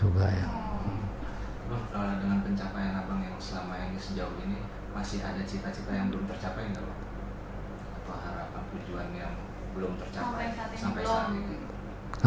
masih ada cita cita yang belum tercapai nggak